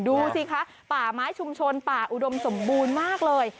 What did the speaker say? ดูสิคะป่าไม้ชุมชนป่าอุดมสมบูรณ์มากเลย